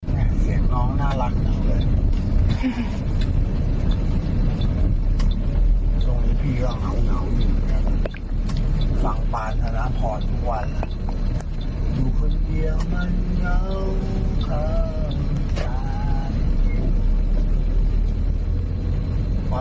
คุณผู้ชมผู้เสียหายเนี่ยเขาถ่ายคลิปเอาไว้ได้เดี๋ยวฟังกันหน่อยค่ะ